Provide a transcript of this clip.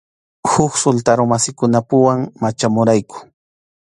Huk sultarumasikunapuwan machamurayku.